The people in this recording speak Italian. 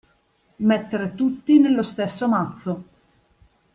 Mettere tutti nello stesso mazzo.